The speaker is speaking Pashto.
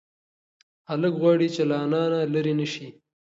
هلک غواړي چې له انا نه لرې نشي.